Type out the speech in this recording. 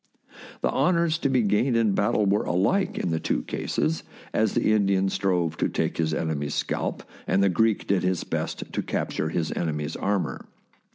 The honours to be gained in battle were alike in the two cases, as the Indian strove to take his enemy's scalp, and the Greek did his best to cap ture his enemy's armour.